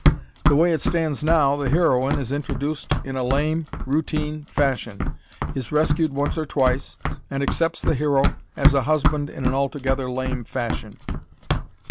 The way it stands now, the heroine is introduced in a lame, routine fashion; is rescued once or twice; and accepts the hero as a husband in an altogether lame fashion.